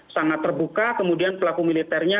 sangat terbuka kemudian pelaku militernya